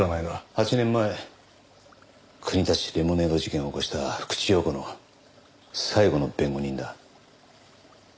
８年前国立レモネード事件を起こした福地陽子の最後の弁護人だ。